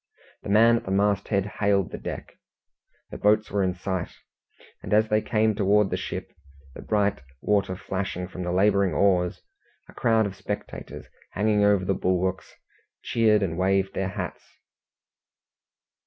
The man at the masthead hailed the deck. The boats were in sight, and as they came towards the ship, the bright water flashing from the labouring oars, a crowd of spectators hanging over the bulwarks cheered and waved their hats.